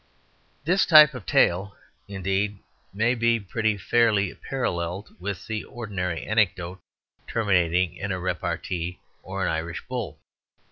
This type of tale, indeed, may be pretty fairly paralleled with the ordinary anecdote terminating in a repartee or an Irish bull.